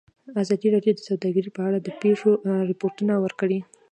ازادي راډیو د سوداګري په اړه د پېښو رپوټونه ورکړي.